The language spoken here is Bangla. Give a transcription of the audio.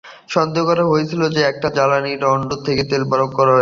সন্দেহ করা হয়েছিল যে, একটা জ্বালানির দণ্ড থেকে তেল বের হচ্ছে।